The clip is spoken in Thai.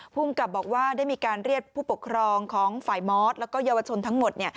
ภูมิกับบอกว่าได้มีการเรียกผู้ปกครองของฝ่ายมอสแล้วก็เยาวชนทั้งหมด